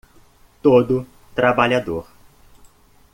Todo trabalhador